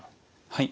はい。